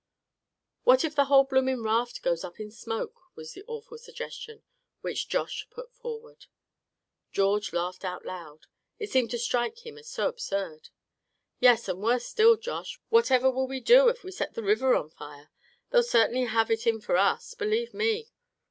"What if the whole blooming raft goes up in smoke?" was the awful suggestion which Josh put forward. George laughed out loud, it seemed to strike him as so absurd. "Yes, and worse still, Josh, whatever will we do if we set the river on fire? They'll certainly have it in for us, believe me.